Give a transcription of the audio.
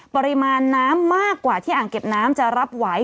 ปริมาณน้ำมากกว่าที่อ่างเก็บน้ำจะรับไหว